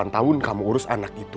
delapan tahun kamu urus anak itu